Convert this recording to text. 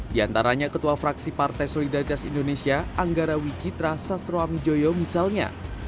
di antaranya ketua fraksi partai solidaritas indonesia anggara wicitra sastro amijoyo misalnya